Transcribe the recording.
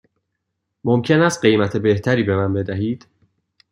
ممکن است قیمت بهتری به من بدهید؟